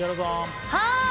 はい！